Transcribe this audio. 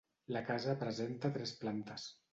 La casa presenta tres plantes.